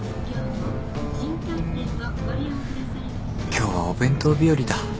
今日はお弁当日和だ。